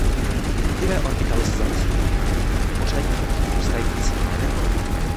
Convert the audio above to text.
Jednotlivé orbitaly se zapisují v pořadí vzrůstající energie.